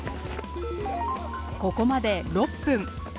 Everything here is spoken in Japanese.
ここまで６分。